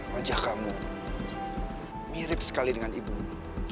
wajah kamu mirip sekali dengan ibumu